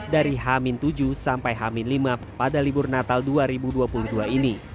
dari hamin tujuh sampai hamin lima pada libur natal dua ribu dua puluh dua ini